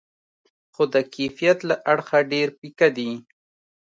خو د کیفیت له اړخه ډېر پیکه دي.